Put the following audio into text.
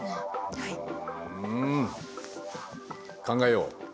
考えよう。